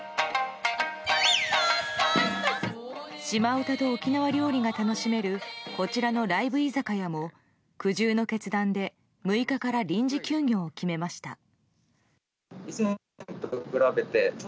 島唄と沖縄料理が楽しめるこちらのライブ居酒屋も苦渋の決断で６日から臨時休業を決めました。